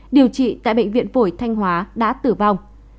điều trị tại bệnh viện phổi thanh hóa đã tử vong